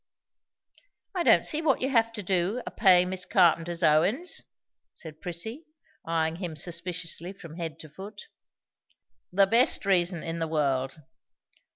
"I don't see what you have to do, a payin' Miss Carpenter's o win's," said Prissy, eyeing him suspiciously from head to foot. "The best reason in the world.